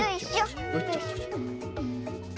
よいしょ。